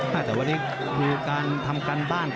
แต่ตอนนี้ดูการทำการสนุก